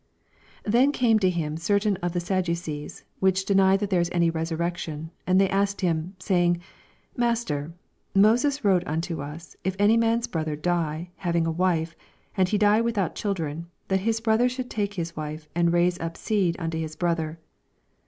en came to Mm certain of the Badducees, which deny that there is any resurrection; and tney asked him, 28 Sayinff, Master, Moses wrote wnto us, It any man's brother die, having a wife, and he die without children, that his Irother should take his wife, and raise up seed unto his brother.